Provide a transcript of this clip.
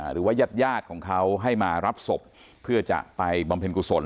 หรือว่ายาดของเขาให้มารับศพเพื่อจะไปบำเพ็ญกุศล